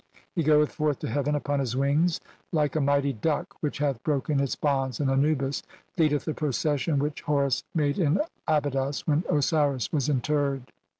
He goeth forth to heaven "upon his wings like a mighty duck which hath broken "its bonds, and Anubis leadeth the procession (?) which "Horus made in Abydos when Osiris was interred.